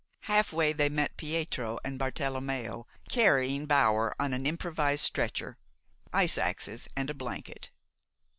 Halfway they met Pietro and Bartelommeo carrying Bower on an improvised stretcher, ice axes and a blanket.